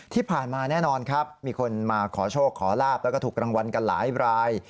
ที่ผ่านมาแน่นอนครับมีคนมาขอโชคขอลาบแล้วก็ถูกรางวัลกันหลายราย